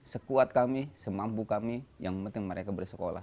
sekuat kami semampu kami yang penting mereka bersekolah